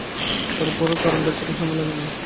তার পরে কারণ বের করতে সময় লাগে নি।